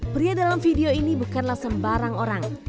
pria dalam video ini bukanlah sembarang orang